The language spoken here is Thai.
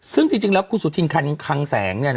ซึ่งจริงแล้วคุณสุธินคันคังแสง